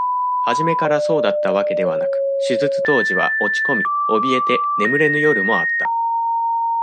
初めからそうだったわけではなく、手術当時は、落ち込み、おびえて、眠れぬ夜もあった。